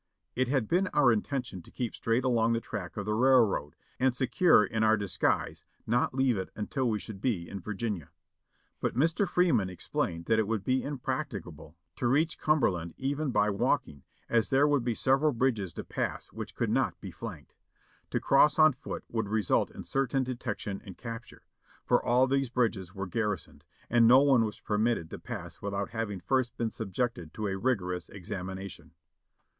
It had been our intention to keep straight along the track of the railroad, and secure in our dis guise, not leave it until we should be in Virginia. But Mr. Free man explained that it would be impracticable to reach Cumber land even by walking, as there would be several bridges to pass which could not be flanked. To cross on foot would result in certain detection and capture ; for all these bridges were gar risoned, and no one was permitted to pass without having first been subjected to a rigorous examination.